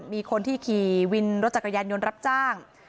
มีคนที่ขี่วินรถจักรยานยนต์รับจ้าง